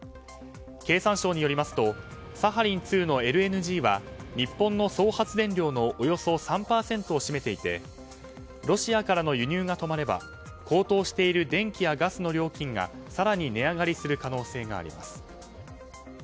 経産省によりますとサハリン２のＬＮＧは日本の総発電量のおよそ３％を占めていてロシアからの輸入が止まれば高騰している電気やガスの料金が更に値上がりする可能性があります。